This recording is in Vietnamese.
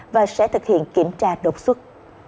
và sẽ thực hiện kiểm tra độc xuất